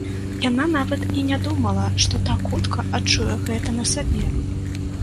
Яна нават і не думала, што так хутка адчуе гэта на сабе.